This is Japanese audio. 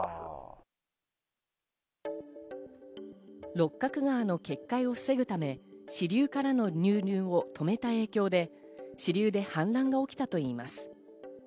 六角川の決壊を防ぐため支流からの流入を止めた影響で支流で氾濫が起きたといいます。